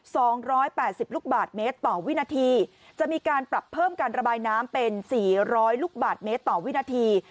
สองร้อยแปดสิบลูกบาทเมตรต่อวินาทีจะมีการปรับเพิ่มการระบายน้ำเป็นสี่ร้อยลูกบาทเมตรต่อวินาที